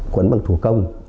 quấn bằng thủ công